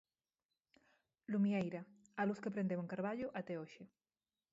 Lumieira, a luz que prendeu en Carballo até hoxe.